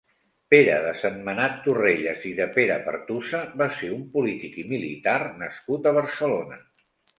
Pere de Sentmenat-Torrelles i de Perapertusa va ser un polític i militar nascut a Barcelona.